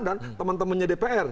dan teman temannya dpr